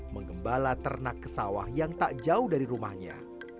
mengembala ternak ke sawah yang tak jauh dari rumahnya